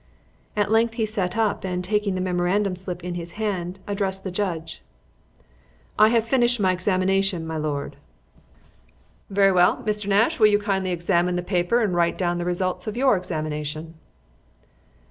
At length he sat up, and taking the memorandum slip in his hand, addressed the judge. "I have finished my examination, my lord." "Very well. Mr. Nash, will you kindly examine the paper and write down the results of your examination?"